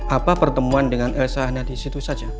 apa pertemuan dengan elsa hanya di situ saja